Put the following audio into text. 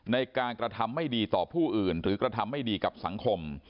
ในการกระทำไม่ดีต่อผู้อื่นหรือกระทำไม่ดีกับสังคม